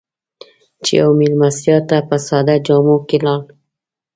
چې يوې مېلمستیا ته په ساده جامو کې لاړ.